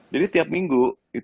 jadi tiap minggu